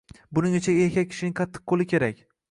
Buning uchun erkak kishining qattiq qoʻli kerak